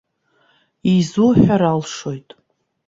Изуҳәар алшоит.